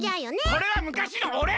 それはむかしのおれ！